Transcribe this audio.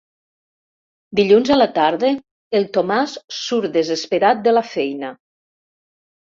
Dilluns a la tarda el Tomàs surt desesperat de la feina.